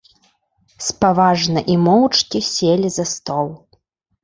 Спаважна й моўчкі селі за стол.